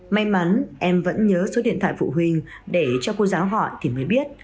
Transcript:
may mắn em vẫn nhớ số điện thoại phụ huynh để cho cô giáo họ thì mới biết